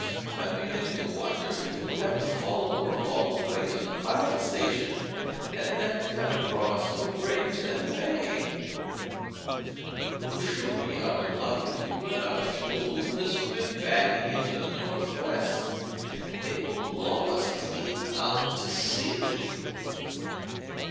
I'm beginning to wonder if we'll have to follow her all the way to the pilot station and then cut across for Gravesend Bay." "We'll sure be out of luck if we run out of fuel with this wind backing into the northwest. It will blow us clean out to sea!"